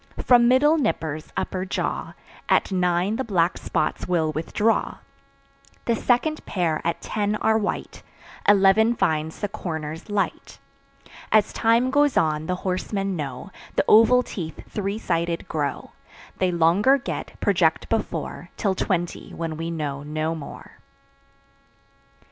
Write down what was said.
From middle "nippers" upper jaw, At nine the black spots will withdraw. The second pair at ten are white; Eleven finds the "corners" light. As time goes on, the horsemen know, The oval teeth three sided grow; They longer get, project before, Till twenty, when we know no more.